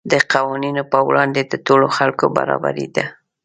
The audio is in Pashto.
د قوانینو په وړاندې د ټولو خلکو برابري ده.